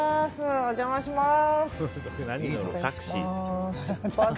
お邪魔します。